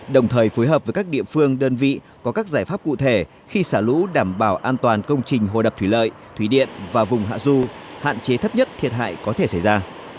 đồng thời phối hợp với các địa phương đơn vị có các giải pháp cụ thể khi xả lũ đảm bảo an toàn công trình hồ đập thủy lợi thủy điện và vùng hạ du hạn chế thấp nhất thiệt hại có thể xảy ra